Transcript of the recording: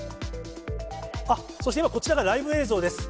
あっ、そして今、こちらがライブ映像です。